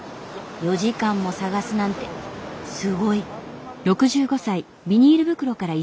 ４時間も探すなんてすごい！